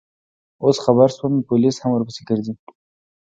اوس خبر شوم، پولیس هم ورپسې ګرځي.